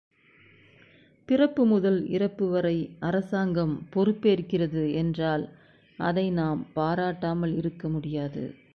பிறப்பு முதல் இறப்பு வரை அரசாங்கம் பொறுப்பேற்கிறது என்றால் அதை நாம் பாராட்டாமல் இருக்க முடியாது.